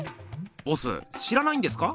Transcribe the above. ボス知らないんですか？